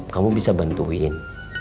kamu bisa bantuin